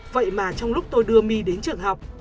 vậy mà trong lúc tôi đưa my đến trường học